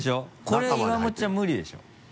これ岩本ちゃん無理でしょ？